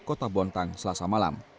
kota bontang selasa malam